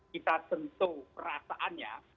kita sentuh perasaannya